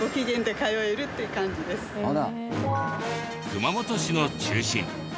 熊本市の中心。